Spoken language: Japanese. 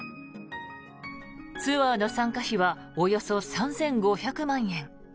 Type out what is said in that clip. ツアーの参加費はおよそ３５００万円。